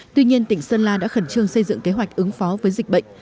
tuy nhiên tỉnh sơn la đã khẩn trương xây dựng kế hoạch ứng phó với dịch bệnh